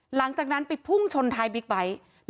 หลังจากนั้นไปพุ่งชนท้ายบิ๊กไบท์